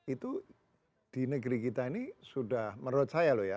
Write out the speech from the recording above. itu di negeri kita ini sudah menurut saya loh ya